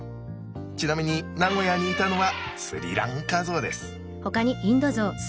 ちなみに名古屋にいたのはスリランカゾウです。